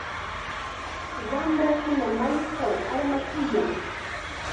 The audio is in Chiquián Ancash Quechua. Wamrakuna mayuchaw armakuyan.